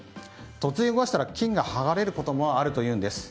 突然動かしたら金が剥がれることもあるというんです。